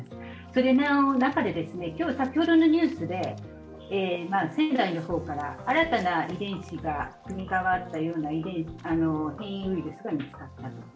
その中で、先ほどのニュースで仙台の方から新たな遺伝子が組み変わった変異ウイルスが見つかったと。